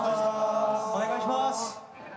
お願いします。